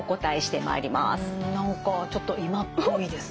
うん何かちょっと今っぽいですね。